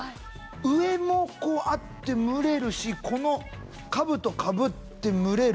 上もこうあって蒸れるしこの兜かぶって蒸れる。